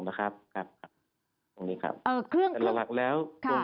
สำหรับเราก็รับแล้ว